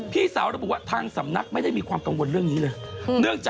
พี่สาวระบุว่าทางสำนักไม่ได้มีความกังวลเรื่องนี้เลย